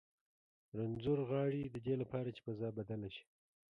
رنځور غاړي د دې لپاره چې فضا بدله شي.